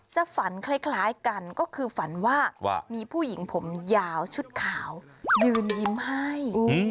ฝันคล้ายกันก็คือฝันว่ามีผู้หญิงผมยาวชุดขาวยืนยิ้มให้